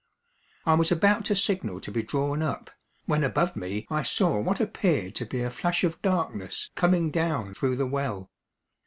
I was about to signal to be drawn up, when above me I saw what appeared to be a flash of darkness coming down through the well.